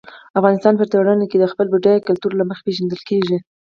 افغانستان په ټوله نړۍ کې د خپل بډایه کلتور له مخې پېژندل کېږي.